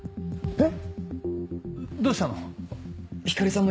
えっ